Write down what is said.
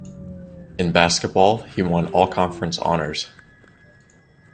In basketball, he won All-Conference honors.